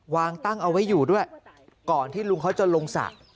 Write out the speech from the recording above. วางตั้งเอาไว้อยู่ด้วยก่อนที่ลุงเขาจะลงสระ